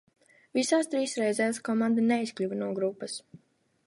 Visās trīs reizēs komanda neizkļuva no grupas.